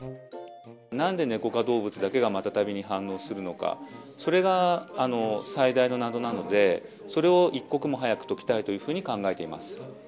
なんでネコ科動物だけがマタタビに反応するのか、それが最大の謎なので、それを一刻も早く解きたいというふうに考えています。